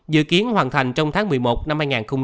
dự kiến hoàn thành trong tháng một mươi một năm hai nghìn hai mươi